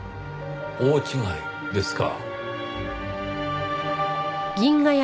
大違いですか。